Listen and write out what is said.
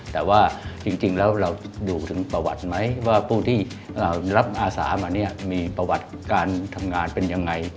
แต่ว่าจริงแล้วเราดูถึงประวัติไหมว่าผู้ที่รับอาสามาเนี่ยมีประวัติการทำงานเป็นยังไง